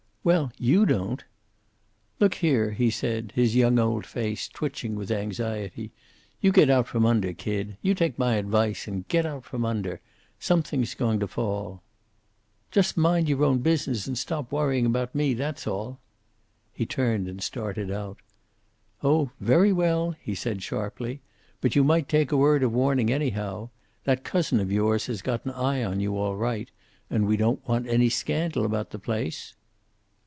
"Well, you don't." "Look here," he said, his young old face twitching with anxiety. "You get out from under, kid. You take my advice, and get out from under. Something's going to fall." "Just mind your own business, and stop worrying about me. That's all." He turned and started out. "Oh, very well," he said sharply. "But you might take a word of warning, anyhow. That cousin of yours has got an eye on you, all right. And we don't want any scandal about the place."